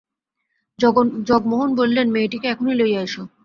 জগমোহন বলিলেন, মেয়েটিকে এখনই লইয়া এসো।